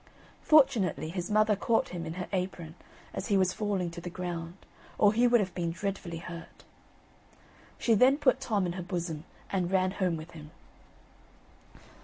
Fortunately his mother caught him in her apron as he was falling to the ground, or he would have been dreadfully hurt. She then put Tom in her bosom and ran home with him.